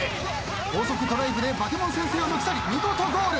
高速ドライブでバケモン先生を抜き去り見事ゴール。